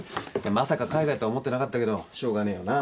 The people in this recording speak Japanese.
まさか海外とは思ってなかったけどしょうがねえよな。